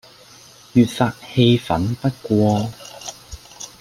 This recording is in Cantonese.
越發氣憤不過，